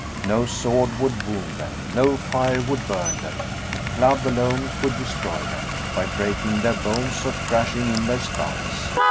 No sword would wound them, no fire would burn them, a club alone could destroy them, by breaking their bones, or crashing in their skulls.